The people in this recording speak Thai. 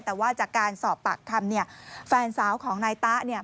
แต่ว่าจากการสอบปากคำแฟนสาวของนายตา